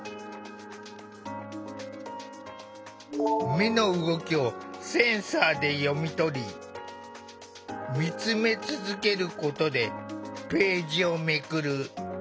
目の動きをセンサーで読み取り見つめ続けることでページをめくる。